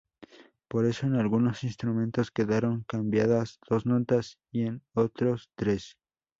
Por eso en algunos instrumentos quedaron cambiadas dos notas y en otros tres.